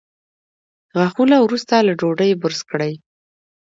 غاښونه وروسته له ډوډۍ برس کړئ